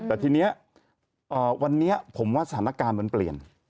แต่ทีนี้วันนี้ผมว่าสถานการณ์มันเปลี่ยน